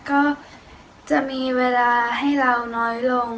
ก็จะมีเวลาให้เราน้อยลง